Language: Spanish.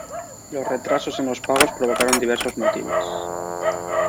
Los retrasos en los pagos provocaron diversos motines.